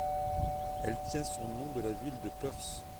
Elle tient son nom de la ville de Perth.